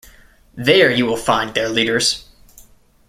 There you will find their leaders.